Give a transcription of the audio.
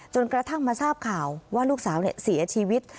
กระทั่งมาทราบข่าวว่าลูกสาวเสียชีวิต